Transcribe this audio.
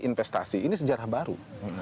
investasi ini sejarah baru